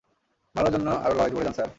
ভালোর জন্য আরো লড়াই করে যান, স্যার।